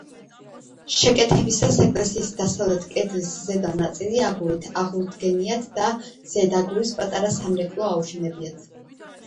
შეკეთებისას ეკლესიის დასავლეთ კედლის ზედა ნაწილი აგურით აღუდგენიათ და ზედ აგურის პატარა სამრეკლო დაუშენებიათ.